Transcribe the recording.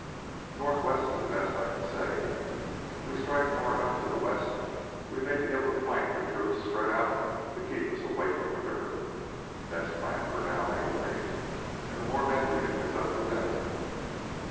"Northwest is the best I can say. If we strike far enough to the west, we may be able to flank the troops spread out to keep us away from the river. Best plan for now, anyway. And the more men we can pick up, the better."